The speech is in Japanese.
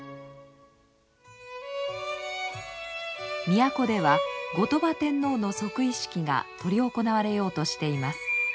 都では後鳥羽天皇の即位式が執り行われようとしています。